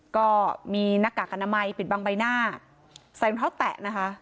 ก็มีหน้ากากอนามัยปิดบังใบหน้าใส่รองเท้าแตะนะคะ